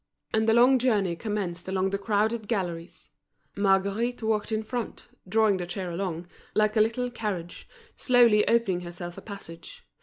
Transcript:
And the long journey commenced along the crowded galleries. Marguerite walked in front, drawing the chair along, like a little carriage, slowly opening herself a passage.